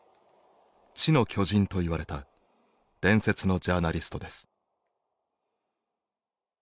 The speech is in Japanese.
「知の巨人」と言われた伝説のジャーナリストです。